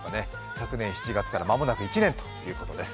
昨年７月から間もなく１年ということです。